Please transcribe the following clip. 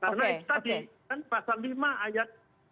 karena itu tadi kan pasal lima ayat ini